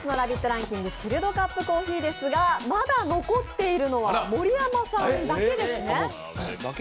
ランキング、チルドカップコーヒーですがまだ残っているのは盛山さんだけですね。